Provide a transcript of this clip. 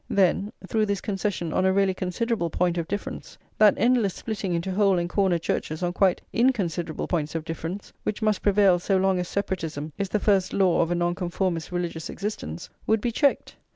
Then, through this concession on a really considerable point of difference, that endless splitting into hole and corner churches on quite inconsiderable points of difference, which must prevail so long as separatism is the first law of a Nonconformist's religious existence, would be checked.